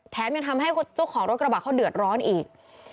ยังทำให้เจ้าของรถกระบะเขาเดือดร้อนอีก